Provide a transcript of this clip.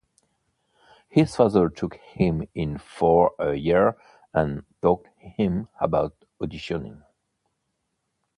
His father took him in for a year and taught him about auditioning.